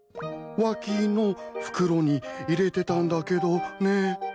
脇の袋に入れてたんだけどね。